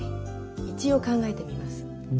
一応考えてみます。